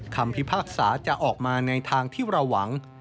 คำพิพากษาจะออกมาในทางที่เราหวัง